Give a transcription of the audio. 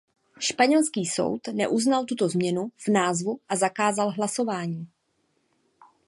Španělský soud neuznal tuto změnu v názvu a zakázal hlasování.